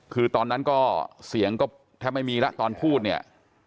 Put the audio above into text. คือตอนนั้นก็เสียงก็แทบไม่มีแล้วตอนพูดเนี่ย